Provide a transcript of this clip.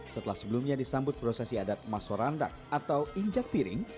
setelah sebelumnya disambut prosesi adat masorandak atau injak piring